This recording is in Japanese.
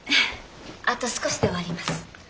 あと少しで終わります。